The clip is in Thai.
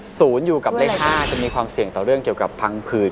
ศูนย์อยู่กับเลข๕จะมีความเสี่ยงต่อเรื่องเกี่ยวกับพังผืน